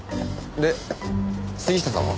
で杉下さんは？